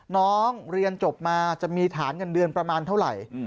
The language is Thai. น้องเรียนจบมาจะมีฐานเงินเดือนประมาณเท่าไหร่